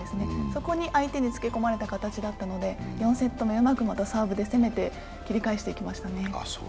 そこに相手につけ込まれた形だったので、４セット目、またサーブでうまく攻め返していきましたね。